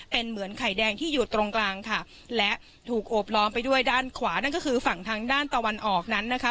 เป็นเหมือนไข่แดงที่อยู่ตรงกลางค่ะและถูกโอบล้อมไปด้วยด้านขวานั่นก็คือฝั่งทางด้านตะวันออกนั้นนะคะ